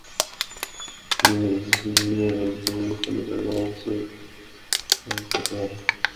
সুতরাং, এই ডিভাইসটি নেটের যে কোনও জায়গায় অ্যাক্সেস করতে পারে।